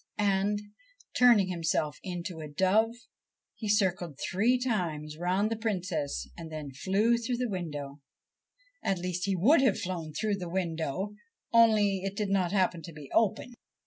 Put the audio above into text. And, turning himself into a dove, he circled three times round the Princess and then flew through the window. At least, he would have flown through the window, only it did not happen to be open.